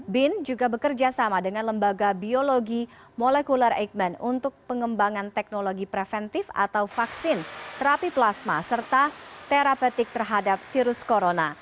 bin juga bekerja sama dengan lembaga biologi molekuler eijkman untuk pengembangan teknologi preventif atau vaksin terapi plasma serta terapetik terhadap virus corona